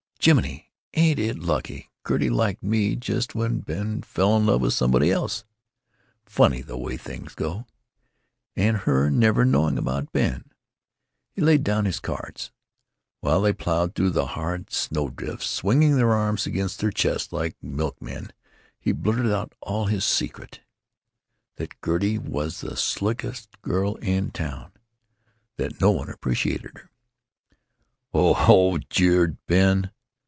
Jiminy! ain't it lucky Gertie liked me just when Ben fell in love with somebody else! Funny the way things go; and her never knowing about Ben." He laid down his cards. While they plowed through the hard snow drifts, swinging their arms against their chests like milkmen, he blurted out all his secret: that Gertie was the "slickest girl in town"; that no one appreciated her. "Ho, ho!" jeered Ben.